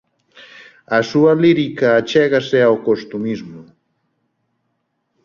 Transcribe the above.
A súa lírica achégase ao costumismo.